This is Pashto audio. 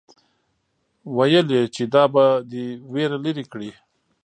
ويل يې چې دا به دې وېره لري کړي.